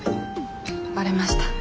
バレました？